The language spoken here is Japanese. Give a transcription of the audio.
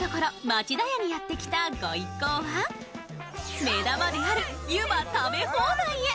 町田屋にやってきたご一行は目玉である湯葉食べ放題へ。